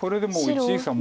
一力さん